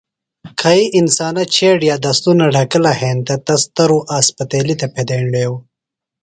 کھئی انسانہ چھیڈیۡ دستُنہ ڈھکِلہ ہینتہ تس تروۡ اسپتیلیۡ تھےۡ پھیدینڈیوۡ۔